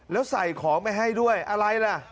แล้วใส่ของไปให้ด้วยอะไรล่ะ